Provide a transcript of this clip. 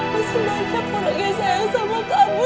masih banyak orang yang sayang sama kamu